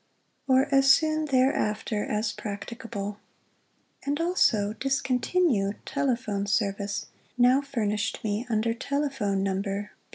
or as soon thereafter as practicable, and also discontinue telephone service now furnished me under telephone number _...